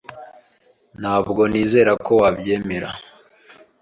Ntabwo nizera ko wabyemera.